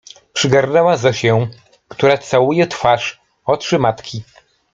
Przygarnęła Zosię, która całuje twarz, oczy matki.